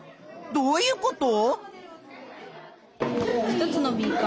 どういうこと？